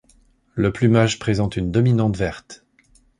Le plumage présente une dominante verte.